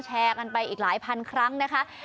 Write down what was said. แชร์กันไปอีกหลายพันครั้งนะคะ